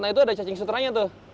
nah itu ada cacing sutranya tuh